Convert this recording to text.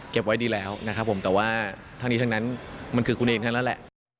ไว้ดีแล้วนะครับผมแต่ว่าทั้งนี้ทั้งนั้นมันคือคุณเองทั้งนั้นแหละ